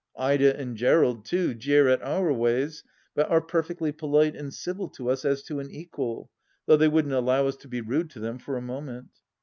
Ida and Gerald, too, jeer at our ways, but are perfectly polite and civil to us as to an equal, though they wouldn't allow us to be rude to them for a moment.